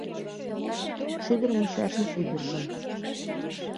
Шӱдыр мучашын ӱдыржым